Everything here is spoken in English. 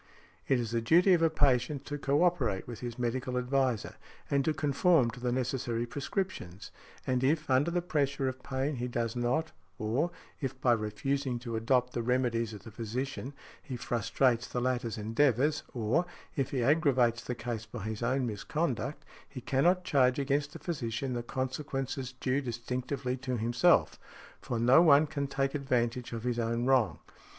It is the duty of a patient to co operate with his medical adviser, and to conform to the necessary prescriptions; and if, under the pressure of pain, he does not, or, if by refusing to adopt the remedies of the physician, he frustrates the latter's endeavours, or, if he aggravates the case by his own misconduct, he cannot charge against the physician the consequences due distinctively to himself; for no one can take advantage of his own wrong.